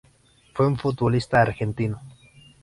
Fue un futbolista argentino.